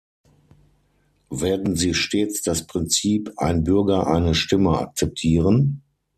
Werden Sie stets das Prinzip "ein Bürger eine Stimme" akzeptieren?